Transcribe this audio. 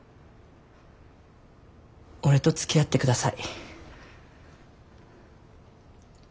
俺とつきあってください。